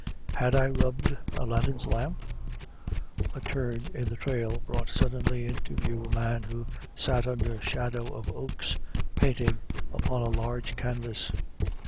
Had I rubbed Aladdin's lamp? A turn in the trail brought suddenly into view a man who sat under shadow of oaks, painting upon a large canvas.